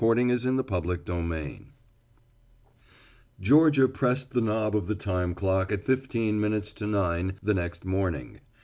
XXIII THE LAST OF THE OLD MAN Georgia pressed the knob of the time clock at fifteen minutes to nine the next morning.